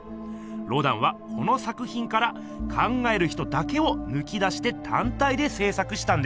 ロダンはこの作ひんから「考える人」だけをぬき出してたん体でせい作したんですよ。